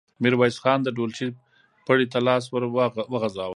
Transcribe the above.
ميرويس خان د ډولچې پړي ته لاس ور وغځاوه.